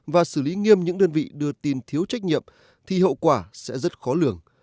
và xử lý nghiêm những đơn vị đưa tin thiếu trách nhiệm thì hậu quả sẽ rất khó lường